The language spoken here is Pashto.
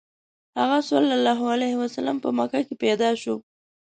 هغه ﷺ په مکه کې پیدا شو.